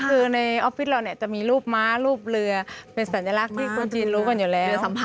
คือในออฟฟิศเราเนี่ยจะมีรูปม้ารูปเรือเป็นสัญลักษณ์ที่คนจีนรู้กันอยู่แล้ว